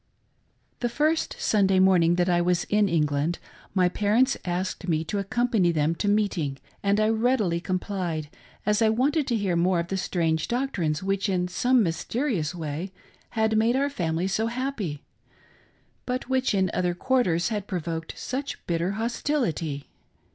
The first Sunday morning that I was in England, my parents asked me to accompany them to meeting, and I read ily complied, as I wanted to hear more of the strange doc trines which in some mysterious way had made our family so happy, but which in other quarters had provoked such bitter hostility.